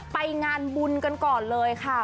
ไปงานบุญกันก่อนเลยค่ะ